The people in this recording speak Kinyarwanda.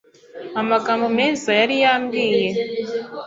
Amagambo meza yari yambwiye